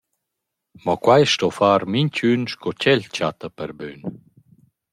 Mo quai sto far minchün sco ch’el chatta per bön.